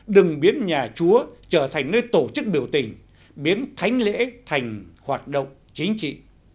đừng biến nhà chúa trở thành nơi tổ chức biểu tình biến thánh lễ thành hoạt động chính trị